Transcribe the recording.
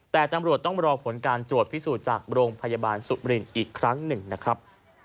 แต่ตำรวจต้องรอผลการตรวจพิสูจน์จากโรงพยาบาลสุมรินอีกครั้งหนึ่งนะครับ